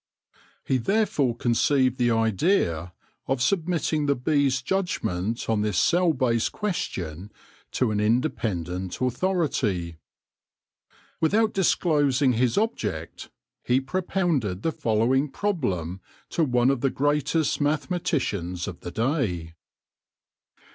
He therefore conceived the idea of submitting the bee's judgment on this cell base question to an indepen dent authority. Without disclosing his object, he propounded the following problem to one of the greatest mathematicians of the day.